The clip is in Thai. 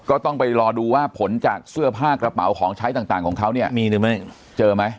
ก็ต้องไปรอดูว่าผลจากเสื้อผ้ากระเป๋าของใช้ต่างของเขาเนี่ยมีหรือไม่เจอไหม